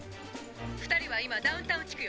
「２人は今ダウンタウン地区よね？」